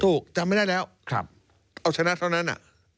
จำไม่ได้แล้วเอาชนะเท่านั้น